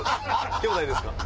兄弟ですか？